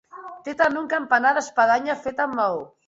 Té també un campanar d'espadanya fet amb maó.